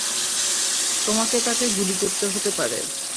তোমাকে তাকে গুলি করতে হতে পারে।